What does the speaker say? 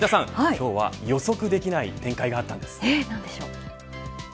今日は、予測できない展開があったんです。